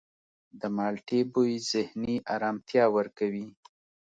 د مالټې بوی ذهني آرامتیا ورکوي.